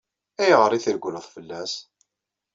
Ayɣer i treggleḍ fell-as?